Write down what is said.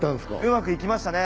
うまくいきましたね。